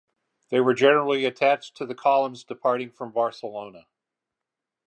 They were generally attached to the columns departing from Barcelona.